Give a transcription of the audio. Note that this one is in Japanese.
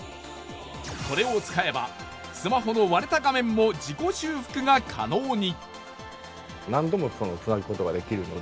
これを使えばスマホの割れた画面も自己修復が可能に。